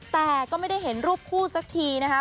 แต่ก็ไม่ได้เห็นรูปคู่สักทีนะคะ